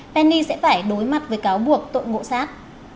veni sẽ phải đối mặt với cáo buộc tội ngộ sát